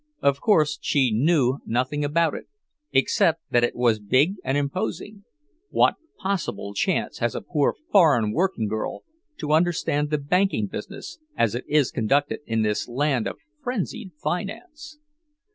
Of course she knew nothing about it, except that it was big and imposing—what possible chance has a poor foreign working girl to understand the banking business, as it is conducted in this land of frenzied finance?